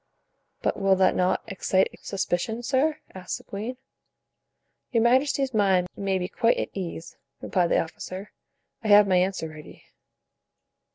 "But will that not excite suspicion, sir?" asked the queen. "Your majesty's mind may be quite at ease," replied the officer; "I have my answer ready."